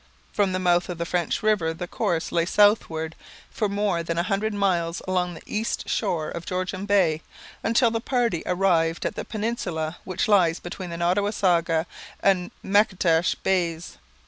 From the mouth of the French River the course lay southward for mere than a hundred miles along the east shore of Georgian Bay, until the party arrived at the peninsula which lies between Nottawasaga and Matchedash Bays.